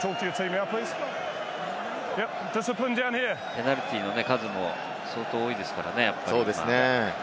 ペナルティーの数も相当多いですからね。